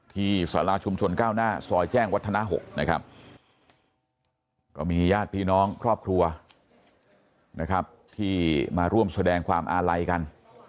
ที่สาราชุมชนก้าวหน้าซอยแจ้งวัฒนา๖นะครับก็มีญาติพี่น้องครอบครัวนะครับที่มาร่วมแสดงความอาลัยกัน